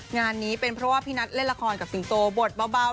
งานนี้เป็นเพราะว่าพี่นัทเล่นละครกับสิงโตบทเบา